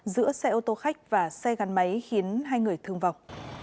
giữa xe ô tô khách và xe gắn máy khiến hai người thương vọng